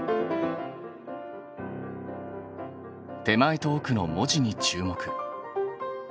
手前とおくの文字に注目。